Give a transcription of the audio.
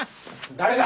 誰だ！？